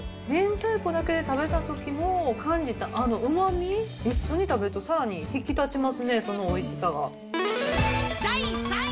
明太子だけで食べたときの感じたあのうまみ、一緒に食べると、さらに引き立ちますね、そのおいしさが。